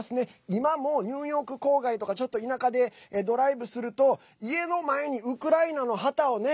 今もニューヨーク郊外とかちょっと田舎でドライブすると家の前にウクライナの旗をね